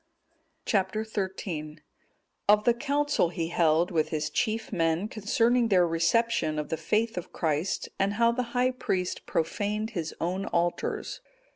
Chap. XIII. Of the Council he held with his chief men concerning their reception of the faith of Christ, and how the high priest profaned his own altars.